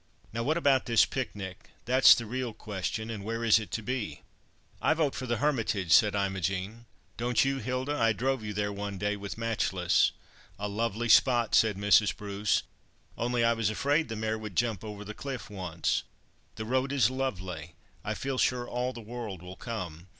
Now, what about this picnic? that's the real question, and where is it to be?" "I vote for the Hermitage," said Imogen. "Don't you, Hilda? I drove you there one day with 'Matchless.'" "A lovely spot," said Mrs. Bruce; "only I was afraid the mare would jump over the cliff once. The road is lovely; I feel sure all the world will come.